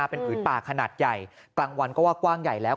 เป็นผืนป่าขนาดใหญ่กลางวันก็ว่ากว้างใหญ่แล้ว